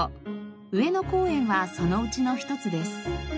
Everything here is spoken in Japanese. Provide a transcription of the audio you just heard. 上野公園はそのうちの一つです。